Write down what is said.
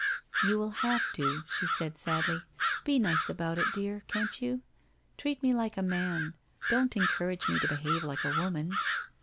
' You will have to,' she said sadly. ' Be nice about it, dear, can't you? Treat me like a man. Don't encourage me to behave like a woman.'